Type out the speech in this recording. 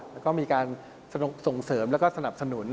แล้วก็มีการส่งเสริมแล้วก็สนับสนุน